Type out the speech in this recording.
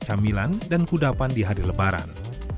camilan dan kudapan di hari lebaran